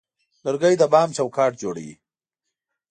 لرګی د بام چوکاټ جوړوي.